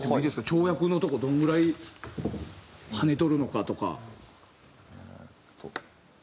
跳躍のとこどのぐらい跳ねとるのかとか。